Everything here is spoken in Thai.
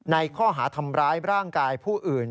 ในข้อหาทำร้ายร่างกายผู้อื่น